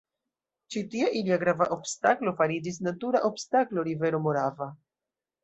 Ĉi tie ilia grava obstaklo fariĝis natura obstaklo rivero Morava.